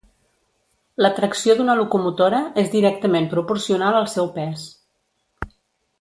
La tracció d'una locomotora és directament proporcional al seu pes.